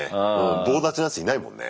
棒立ちのやついないもんね。